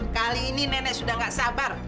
kali ini nenek sudah tidak sabar